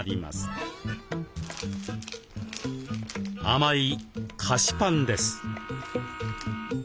甘い菓子パンです。